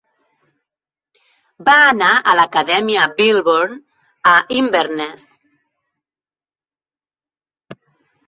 Va anar a l'Acadèmia Millburn a Inverness.